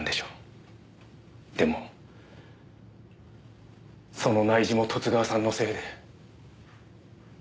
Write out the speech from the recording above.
でもその内示も十津川さんのせいで。